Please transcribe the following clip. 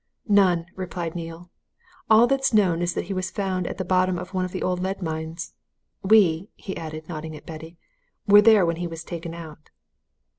"None!" replied Neale. "All that's known is that he was found at the bottom of one of the old lead mines. We," he added, nodding at Betty, "were there when he was taken out."